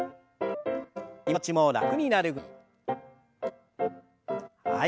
気持ちも楽になるぐらい。